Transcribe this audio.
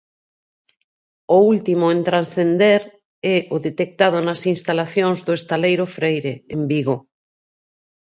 O último en transcender é o detectado nas instalacións do estaleiro Freire, en Vigo.